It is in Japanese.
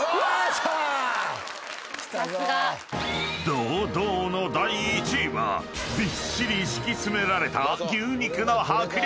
［堂々の第１位はびっしり敷き詰められた牛肉の迫力！］